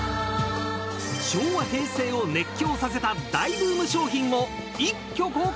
昭和、平成を熱狂させた大ブーム商品を一挙公開。